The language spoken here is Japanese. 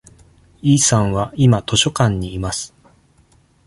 イさんは今図書館にいます。